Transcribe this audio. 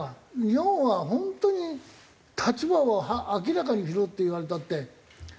日本は本当に立場を明らかにしろって言われたって。